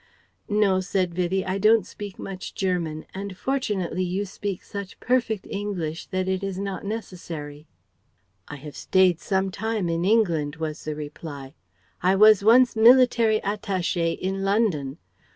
"No," said Vivie, "I don't speak much German, and fortunately you speak such perfect English that it is not necessary." "I have stayed some time in England," was the reply; "I was once military attaché in London.